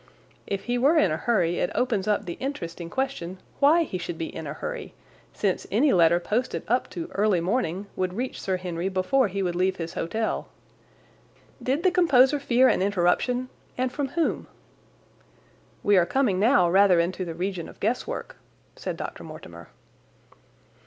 If he were in a hurry it opens up the interesting question why he should be in a hurry, since any letter posted up to early morning would reach Sir Henry before he would leave his hotel. Did the composer fear an interruption—and from whom?" "We are coming now rather into the region of guesswork," said Dr. Mortimer.